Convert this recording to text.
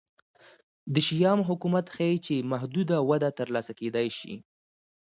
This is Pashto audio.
د شیام حکومت ښيي چې محدوده وده ترلاسه کېدای شي